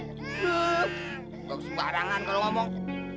nggak usah barangan kalau ngomong